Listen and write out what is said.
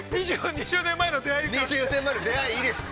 ◆２０年前の出会いはいいです。